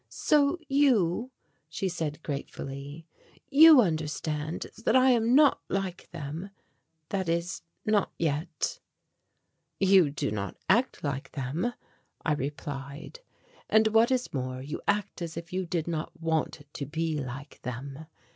"So you," she said gratefully, "you understand that I am not like them that is, not yet." "You do not act like them," I replied, "and what is more, you act as if you did not want to be like them.